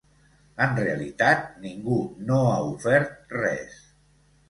En realitat, ningú no ha ofert res.